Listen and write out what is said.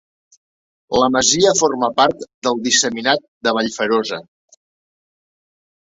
La masia forma part del disseminat de Vallferosa.